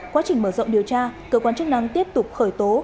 quá trình mở rộng điều tra cơ quan chức năng tiếp tục khởi tố